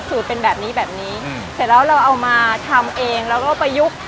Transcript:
สูตรเป็นแบบนี้แบบนี้อืมเสร็จแล้วเราเอามาทำเองเราก็ไปยุก